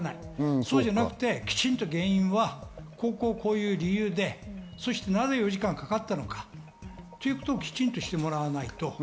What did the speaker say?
そうじゃなくて、きちんと原因はこういう理由で、なぜ４時間かかったのかということをきちんとしてもらわないと。